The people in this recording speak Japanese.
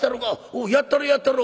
「おうやったろやったろ。